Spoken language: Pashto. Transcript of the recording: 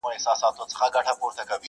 نه په وطن کي آشیانه سته زه به چیري ځمه!!